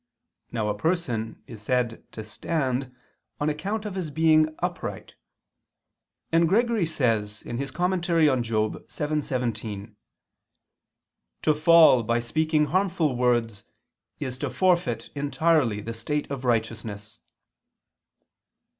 Now a person is said to stand on account of his being upright; and Gregory says (Moral. vii, 17): "To fall by speaking harmful words is to forfeit entirely the state of righteousness."